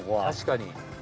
確かに。